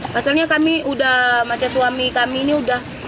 pasalnya kami udah baca suami kami ini udah